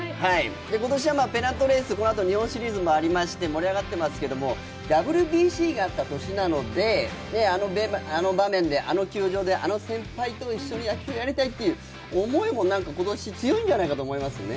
今年はペナントレース、このあと、日本シリーズもありまして、盛り上がっていますけれども、ＷＢＣがあった年なので、あの場面で、あの球場で、あの先輩と一緒に野球をやりたいという思いも今年、強いんじゃないかと思いますよね。